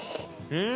うん。